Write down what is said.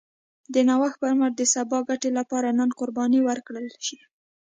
د نوښت پر مټ د سبا ګټې لپاره نن قرباني ورکړل شي.